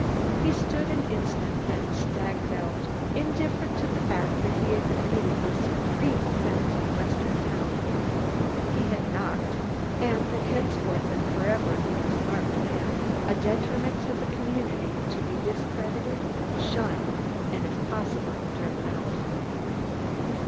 He stood an instant, then staggered out, indifferent to the fact that he had committed the supreme offense in a western town he had "knocked" and that henceforth and forever he was a marked man a detriment to the community to be discredited, shunned, and, if possible, driven out.